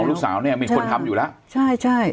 ลูกสาวเนี่ยมีคนทำอยู่แล้วใช่ใช่